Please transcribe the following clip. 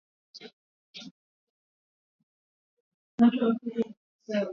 Wanyama wazima hupata ugonjwa wa miguu na midomo wanapogusana na kinyesi chenye maambukizi